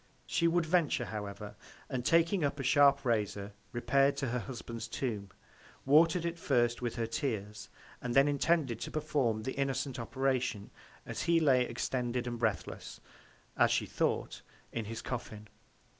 She would venture, however, and taking up a sharp Razor, repair'd to her Husband's Tomb; water'd it first with her Tears, and then intended to perform the innocent Operation, as he lay extended breathless, as she thought, in his Coffin.